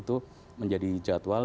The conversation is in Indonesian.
untuk memastikan ini bisa menjadi jadwal